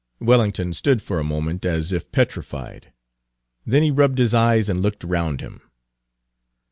Wellington stood for a moment as if petrified. Then he rubbed his eyes and looked around him.